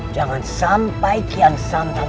jangan sampai kian santang